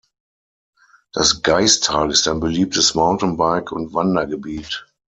Das Gaistal ist ein beliebtes Mountainbike- und Wandergebiet.